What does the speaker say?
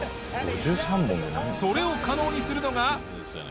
それを可能にするのが。